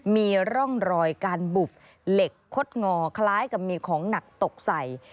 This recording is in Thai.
มีร่องรอยการบุบเหล็กคดงอคล้ายกับมีของหนักตกใส่